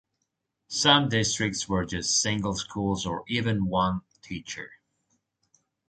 Some districts were just single schools or even one teacher.